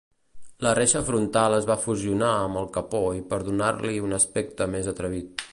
La reixa frontal es va fusionar amb el capó i per donar-li un aspecte més atrevit.